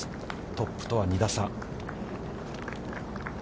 トップとは２打差。